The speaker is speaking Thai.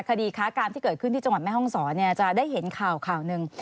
คดีค้ากามที่เกิดขึ้นที่จังหวัดแม่ห้องศรจะได้เห็นข่าวข่าวหนึ่ง